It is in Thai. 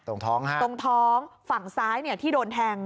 ตรงท้องฮะตรงท้องฝั่งซ้ายที่โดนแทง